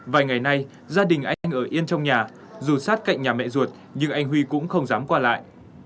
vài ngày nay gia đình anh ở yên trong nhà dù sát cạnh nhà mẹ ruột nhưng anh huy cũng không dám qua lại